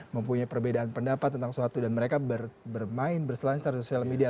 mempunyai perbedaan pendapat tentang suatu dan mereka bermain berselancar di sosial media